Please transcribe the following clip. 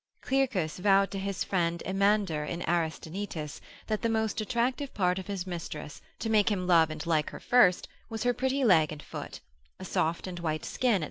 Clearchus vowed to his friend Amyander in Aristaenetus, that the most attractive part in his mistress, to make him love and like her first, was her pretty leg and foot: a soft and white skin, &c.